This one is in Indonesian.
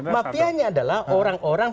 mafianya adalah orang orang